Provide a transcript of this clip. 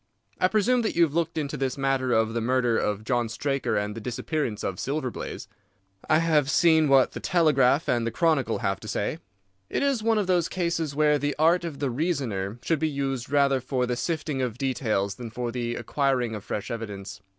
I presume that you have looked into this matter of the murder of John Straker and the disappearance of Silver Blaze?" "I have seen what the Telegraph and the Chronicle have to say." "It is one of those cases where the art of the reasoner should be used rather for the sifting of details than for the acquiring of fresh evidence.